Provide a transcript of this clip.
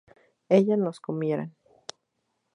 ellas no comieran